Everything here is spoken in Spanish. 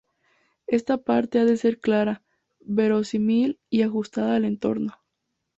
Esta parte ha de ser clara, verosímil, y ajustada al entorno.